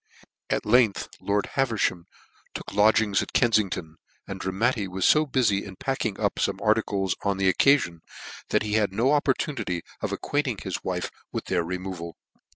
At length lord Havermam took lodgings at Kenftngton, and Dramatti was fo bufy in packing up fome articles on the occafion, that he had no opportunity of acquainting his wife with their removal.